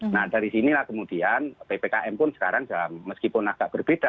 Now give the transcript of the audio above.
nah dari sinilah kemudian ppkm pun sekarang meskipun agak berbeda